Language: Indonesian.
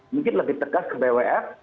mungkin lebih tegas ke bwf